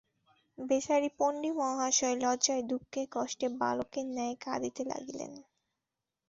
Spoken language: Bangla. বেচারি পণ্ডিমহাশয় লজ্জায় দুঃখে কষ্টে বালকের ন্যায় কাঁদিতে লাগিলেন।